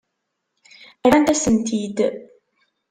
Rrant-asen-t-id.